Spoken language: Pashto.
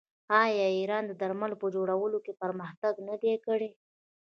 آیا ایران د درملو په جوړولو کې پرمختګ نه دی کړی؟